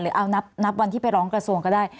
หรือเอานับวันที่ไปร้องกระโสงก็ได้